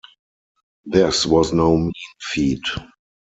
This was no mean feat.